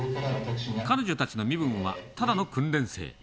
彼女たちの身分はただの訓練生。